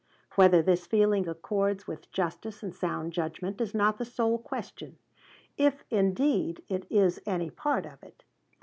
Whether this feeling accords with justice and sound judgment is not the sole question, if indeed it is any part of it.